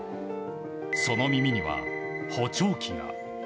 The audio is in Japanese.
その耳には、補聴器が。